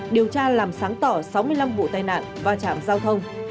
điều tra làm sáng tỏ sáu mươi năm vụ tai nạn vào trạm giao thông